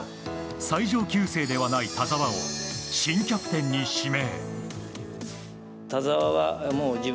最上級生ではない田澤を新キャプテンに指名。